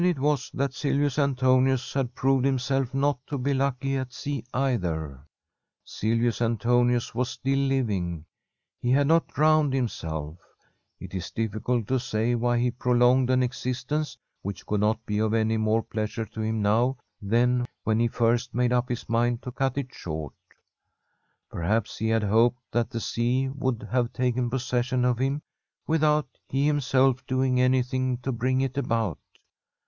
Certain it was that Silvius Antonius had proved himself not to be lucky at sea either. Silvius Antonius was still living; he had not drowned himself. It is difficult to say why he prolonged an existence which could not be of any more pleas ure to him now than when he first made up his mind to cut it short. Perhaps he had hoped that the sea would have taken possession of him with out he himself doing anything to bring it about.